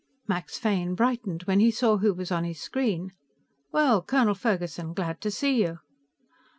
Max Fane brightened when he saw who was on his screen. "Well, Colonel Ferguson, glad to see you."